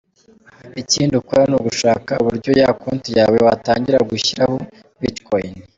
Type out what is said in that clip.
Ikindi ukora ni ugushaka uburyo ya konti yawe watangira gushyiraho Bitcoins.